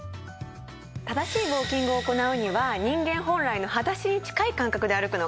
正しいウォーキングを行うには人間本来の裸足に近い感覚で歩くのが理想なんです。